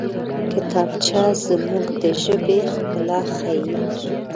کتابچه زموږ د ژبې ښکلا ښيي